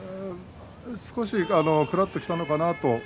少しくらっときたのかなと。